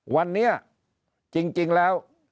วันนี้จริงแล้ว